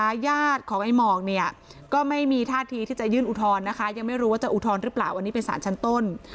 ญาติของไอ้หมอกเนี่ยก็ไม่มีท่าทีที่จะยื่นอุทธรณ์นะคะยังไม่รู้ว่าจะอุทธรณ์หรือเปล่าอันนี้เป็นสารชั้นต้น